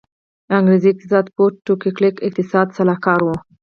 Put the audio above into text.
انګرېز اقتصاد پوه ټو کلیک اقتصادي سلاکار و.